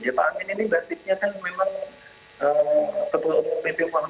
ya pak amin ini berarti kenyataan memang ketua umum itu yang mengalami dia awalnya